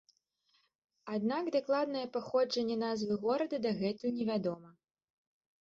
Аднак, дакладнае паходжанне назвы горада дагэтуль невядома.